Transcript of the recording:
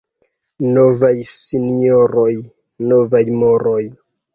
Novaj sinjoroj, — novaj moroj.